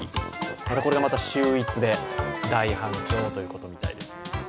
またこれが秀逸で、大反響ということみたいです。